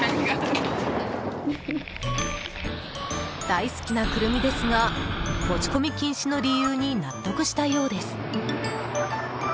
大好きなクルミですが持ち込み禁止の理由に納得したようです。